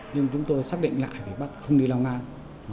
nhưng chúng tôi xác định lại bác không đi long an